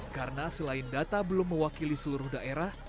karena selain data belum mewakili seluruh daerah